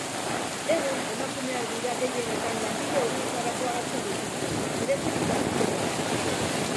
Egun, emakumeak dira gehienetan lanbide horietarako hartzen dituztenak, bereziki garbiketarako.